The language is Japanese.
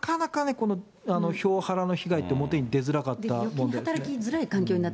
なかなかね、票ハラの被害って表に出づらかった問題ですね。